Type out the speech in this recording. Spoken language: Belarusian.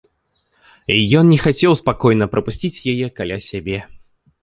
Ён не хацеў спакойна прапусціць яе каля сябе.